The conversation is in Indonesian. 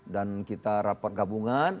dan kita rapat gabungan